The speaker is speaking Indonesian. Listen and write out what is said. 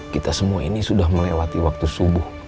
kita semua ini sudah melewati waktu subuh